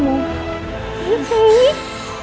ibu aku kan sempat